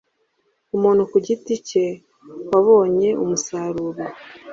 umuntu ku giti cye wabonye umusaruro